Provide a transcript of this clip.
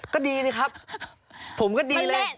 ก็ดีสิครับผมก็ดีเลย